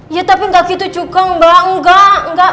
iya tapi gak gitu juga mbak enggak enggak